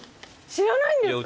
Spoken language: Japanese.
知らないんですか？